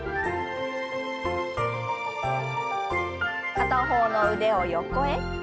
片方の腕を横へ。